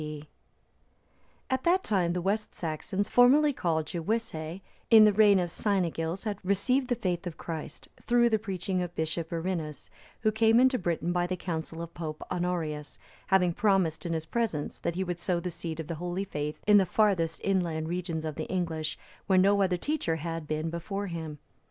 D.] At that time, the West Saxons, formerly called Gewissae,(315) in the reign of Cynegils,(316) received the faith of Christ, through the preaching of Bishop Birinus,(317) who came into Britain by the counsel of Pope Honorius;(318) having promised in his presence that he would sow the seed of the holy faith in the farthest inland regions of the English, where no other teacher had been before him.